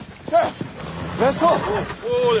おい。